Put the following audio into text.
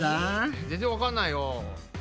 全然わかんないよ。